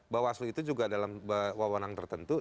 bawaslu itu juga dalam wawanang tertentu